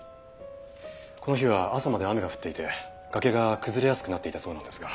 この日は朝まで雨が降っていて崖が崩れやすくなっていたそうなんですが。